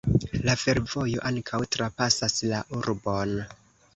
La fervojo ankaŭ trapasas la urbon.